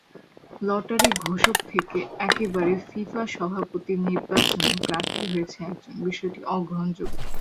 লটারির ঘোষক থেকে একেবারে ফিফা সভাপতির নির্বাচনে প্রার্থী হয়েছে একজন, বিষয়টি অগ্রহণযোগ্য।